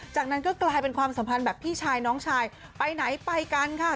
จากนั้นก็กลายเป็นความสัมพันธ์แบบพี่ชายน้องชายไปไหนไปกันค่ะ